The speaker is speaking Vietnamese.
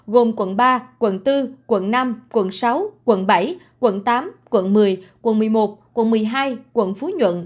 gồm quận ba quận bốn quận năm quận sáu quận bảy quận tám quận một mươi quận một mươi một quận một mươi hai quận phú nhuận